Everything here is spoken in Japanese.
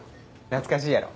懐かしいやろ？